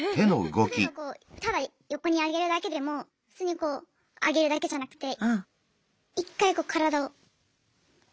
例えばこうただ横に上げるだけでも普通にこう上げるだけじゃなくて１回こう体を通るんですよ。